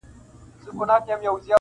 چي خپلواک مي کړي له واک د غلامانو -